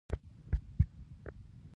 تاسو باید پوه شئ چې نورو ته به څرنګه ښکارئ.